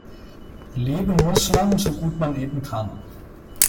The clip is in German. Leben muss man, so gut man eben kann.